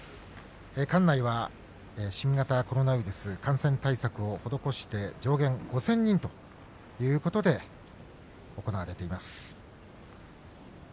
館内は新型コロナウイルス感染対策を施して上限５０００人ということで行われています。